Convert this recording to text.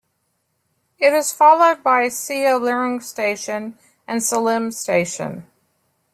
It is followed by Seolleung Station and Sillim Station.